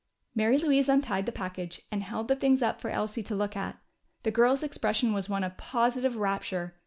Mary Louise untied the package and held the things up for Elsie to look at. The girl's expression was one of positive rapture.